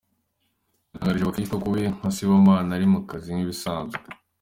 Yatangarije abakristo ko we nka Sibomana ari mu kazi nk'ibisanzwe.